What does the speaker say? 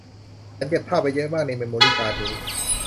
ฉันเก็บภาพไว้เยอะมากในเมมโมรี่การ์ดนี้